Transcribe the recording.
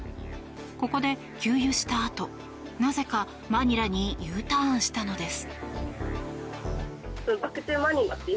ここで給油したあとなぜかマニラにＵターンしたのです。